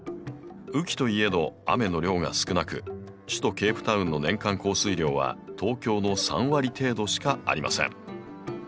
雨季といえど雨の量が少なく首都ケープタウンの年間降水量は東京の３割程度しかありません。